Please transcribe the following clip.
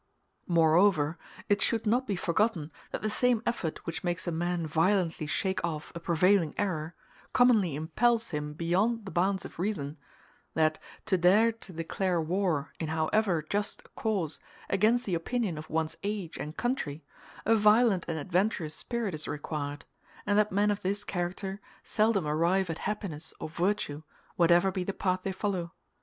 Moreover it should not be forgotten that the same effort which makes a man violently shake off a prevailing error, commonly impels him beyond the bounds of reason; that, to dare to declare war, in however just a cause, against the opinion of one's age and country, a violent and adventurous spirit is required, and that men of this character seldom arrive at happiness or virtue, whatever be the path they follow.